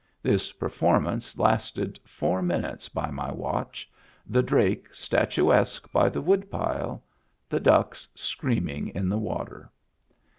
This performance lasted four minutes by my watch — the drake statuesque by the woodpile, the ducks screaming in the water.